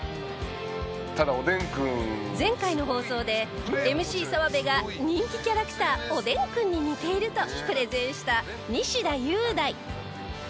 前回の放送でＭＣ澤部が人気キャラクターおでんくんに似ているとプレゼンした西田優大。